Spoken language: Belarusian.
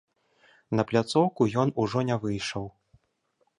На пляцоўку ён ужо не выйшаў.